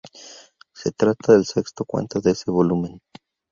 Se trata del sexto cuento de ese volumen.